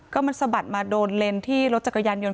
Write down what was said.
ก็มันสะบัดมาโดนเลนที่รถจักรยานยนต